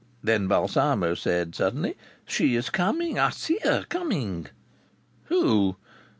Then Balsamo said suddenly: "She is coming. I see her coming." "Who?"